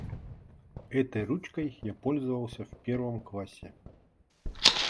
Этой ручкой я пользовался в первом классе.